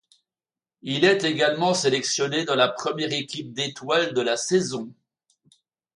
Il est également sélectionné dans la première équipe d'étoiles de la saison.